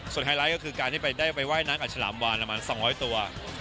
ไฮไลท์ก็คือการที่ไปได้ไปว่ายน้ำกับฉลามวานประมาณ๒๐๐ตัว